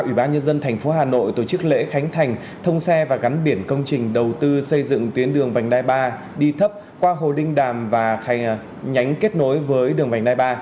ủy ban nhân dân tp hà nội tổ chức lễ khánh thành thông xe và gắn biển công trình đầu tư xây dựng tuyến đường vành đai ba đi thấp qua hồ linh đàm và nhánh kết nối với đường vành đai ba